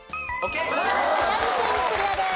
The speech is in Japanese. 宮城県クリアです。